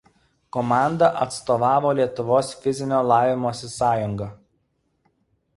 Komanda atstovavo Lietuvos fizinio lavinimosi sąjungą.